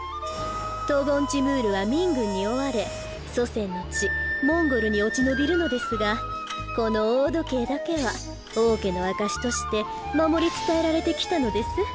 トゴンチムールは明軍に追われ祖先の地モンゴルに落ち延びるのですがこの大時計だけは王家の証しとして守り伝えられて来たのです。